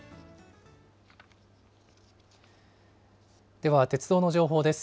では、鉄道の情報です。